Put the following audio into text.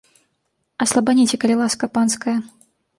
Аслабаніце, калі ласка панская.